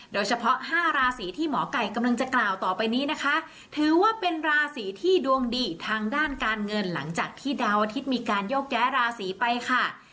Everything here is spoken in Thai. โดยเฉพาะห้าราศีที่หมอไก่กำลังจะกล่าวต่อไปนี้นะคะถือว่าเป็นราศีที่ดวงดีทางด้านการเงินหลังจากที่ดาวอาทิตย์มีการโยกย้ายราศีไปค่ะ